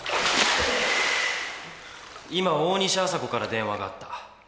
今大西麻子から電話があった。